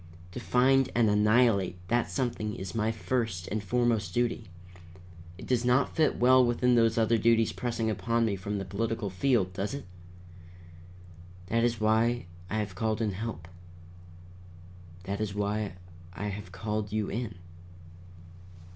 To find and annihilate that something is my first and foremost duty. It does not fit well with those other duties pressing upon me from the political field, does it? That is why I have called in help. That is why I have called you in."